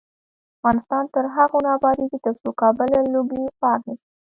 افغانستان تر هغو نه ابادیږي، ترڅو کابل له لوګیو پاک نشي.